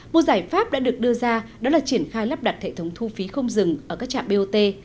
một giải pháp đã được đưa ra đó là triển khai lắp đặt hệ thống thu phí không dừng ở các trạm bot